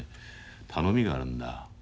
頼みがあるんだ。